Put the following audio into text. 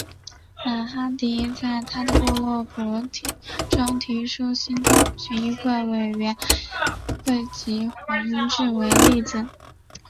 马哈迪在他的部落格中提出兴都权益行动委员会及黄明志为例子。